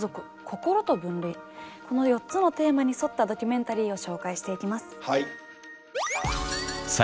この４つのテーマに沿ったドキュメンタリーを紹介していきます。